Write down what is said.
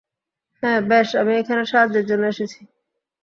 বেশ, হ্যাঁ, আমি এখানে সাহায্যের জন্য এসেছি।